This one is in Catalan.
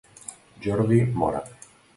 Jordi Mora.